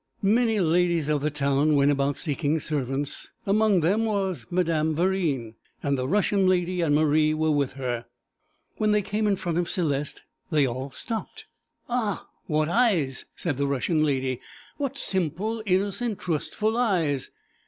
Many ladies of the town went about seeking servants: among them was Madame Verine, and the Russian lady and Marie were with her. When they came in front of Céleste they all stopped. 'Ah, what eyes!' said the Russian lady 'what simple, innocent, trustful eyes!